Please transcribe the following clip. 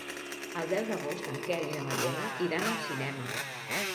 El deu d'agost en Quel i na Mariona iran al cinema.